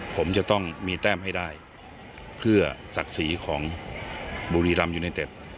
ผมจะต้องมีแต้มให้ได้เพื่อศักดิ์ศรีของบุรีรำยูไนเต็ด